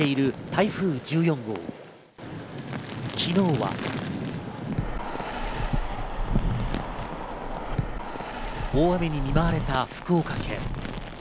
大雨に見舞われた福岡県。